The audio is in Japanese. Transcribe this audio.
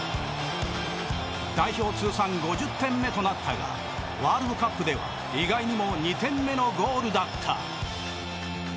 代表通算５０点目となったがワールドカップでは意外にも２点目のゴールだった。